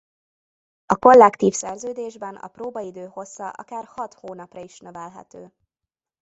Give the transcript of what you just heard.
A kollektív szerződésben a próbaidő hossza akár hat hónapra is növelhető.